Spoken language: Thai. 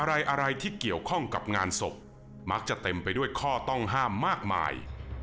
อะไรอะไรที่เกี่ยวข้องกับงานศพมักจะเต็มไปด้วยข้อต้องห้ามมากมาย